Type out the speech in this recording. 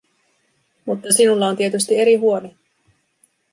Mutta sinulla on tietysti eri huone.